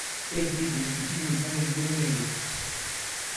Belki bir gün, iki gün insan yüzü göremeyecektik…